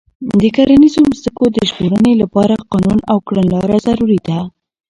د کرنیزو ځمکو د ژغورنې لپاره قانون او کړنلاره ضروري ده.